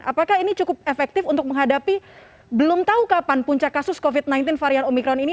apakah ini cukup efektif untuk menghadapi belum tahu kapan puncak kasus covid sembilan belas varian omikron ini